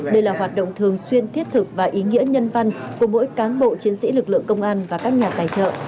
đây là hoạt động thường xuyên thiết thực và ý nghĩa nhân văn của mỗi cán bộ chiến sĩ lực lượng công an và các nhà tài trợ